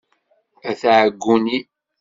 A tiɛeggunin!